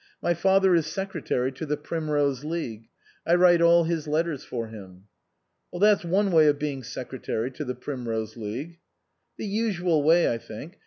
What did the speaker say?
My father is secretary to the Primrose League. I write all his letters for him." "That's one way of being secretary to the Primrose League." " The usual way, I think.